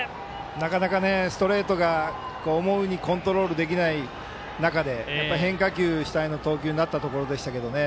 なかなか、ストレートが思うようにコントロールできない中で変化球主体の投球になったところですけどね。